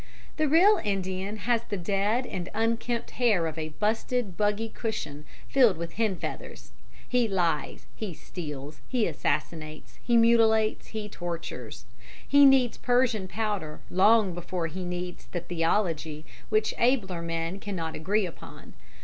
The real Indian has the dead and unkempt hair of a busted buggy cushion filled with hen feathers. He lies, he steals, he assassinates, he mutilates, he tortures. He needs Persian powder long before he needs the theology which abler men cannot agree upon.